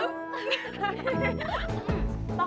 gw punya ide bagus